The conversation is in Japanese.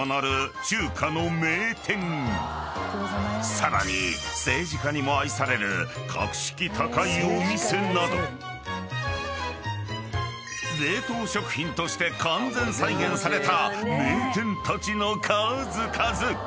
［さらに政治家にも愛される格式高いお店など冷凍食品として完全再現された名店たちの数々］